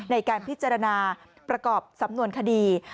ในการพิจารณาประกอบสำนวนคดี